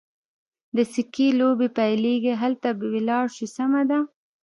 د سکې لوبې پیلېږي، هلته به ولاړ شو، سمه ده.